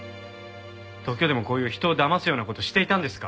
東京でもこういう人をだますような事をしていたんですか？